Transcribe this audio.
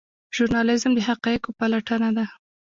ژورنالیزم د حقایقو پلټنه ده